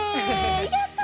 やった！